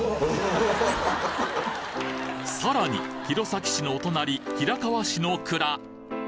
さらに弘前市のお隣平川市の蔵